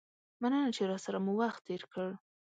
مننه چې راسره مو وخت تیر کړ.